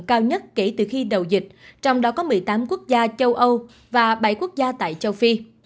cao nhất kể từ khi đầu dịch trong đó có một mươi tám quốc gia châu âu và bảy quốc gia tại châu phi